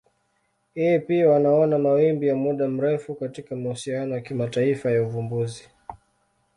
Yeye pia wanaona mawimbi ya muda mrefu katika mahusiano ya kimataifa ya uvumbuzi.